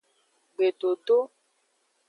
Gbedodo.